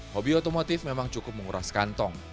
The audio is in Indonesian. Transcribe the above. hobi otomotif memang cukup menguras kantong